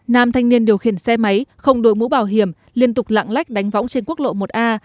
nam thanh niên điều khiển xe máy không đội mũ bảo hiểm liên tục lạng lách đánh võng trên quốc lộ một a